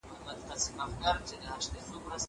زه باغ نه پاکوم!